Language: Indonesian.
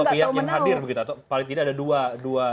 asal ada dua pihak yang hadir begitu atau paling tidak ada dua